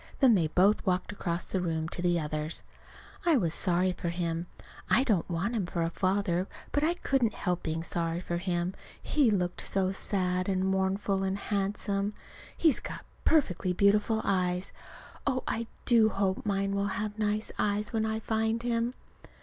Then they both walked across the room to the others. I was sorry for him. I do not want him for a father, but I couldn't help being sorry for him, he looked so sad and mournful and handsome; and he's got perfectly beautiful eyes. (Oh, I do hope mine will have nice eyes, when I find him!)